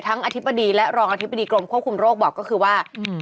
อธิบดีและรองอธิบดีกรมควบคุมโรคบอกก็คือว่า